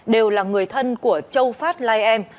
đều là người thân của châu phát lai em